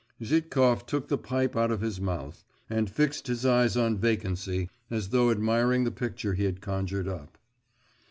…' Zhitkov took the pipe out of his mouth, and fixed his eyes on vacancy, as though admiring the picture he had conjured up.